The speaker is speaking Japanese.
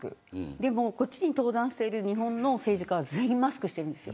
でも、こっちに登壇している日本の政治家は全員マスクしているんですよ。